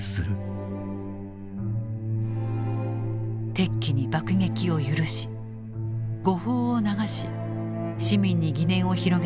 敵機に爆撃を許し誤報を流し市民に疑念を広げてしまった軍。